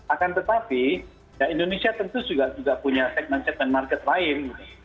akan tetapi indonesia tentu juga punya segmen segmen market lain